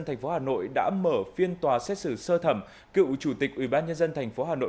thành phố hà nội đã mở phiên tòa xét xử sơ thẩm cựu chủ tịch ủy ban nhân dân thành phố hà nội